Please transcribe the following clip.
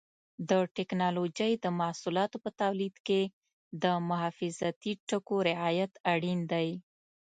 د ټېکنالوجۍ د محصولاتو په تولید کې د حفاظتي ټکو رعایت اړین دی.